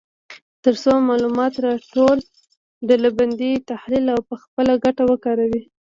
تر څو معلومات راټول، ډلبندي، تحلیل او په خپله ګټه وکاروي.